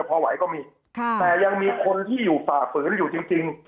พอไหวก็มีแต่ยังมีคนที่อยู่ฝ่าฝืนอยู่จริง